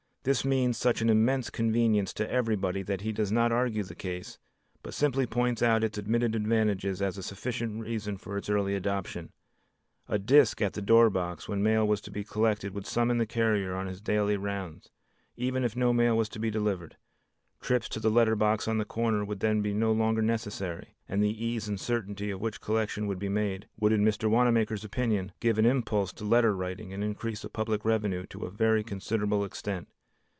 This means such an immense convenience to everybody that he does not argue the case, but simply points out its admitted advantages as a sufficient reason for its early adoption. A disk at the door box when mail was to be collected would summon the carrier on his daily rounds, even if no mail was to be delivered; trips to the letter box on the corner would then be no longer necessary, and the ease and certainty with which collection would be made, would in Mr. Wanamaker's opinion, give an impulse to letter writing and increase the public revenue to a very considerable extent.